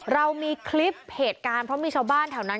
เรามีคลิปเหตุการณ์เพราะมีชาวบ้านแถวนั้น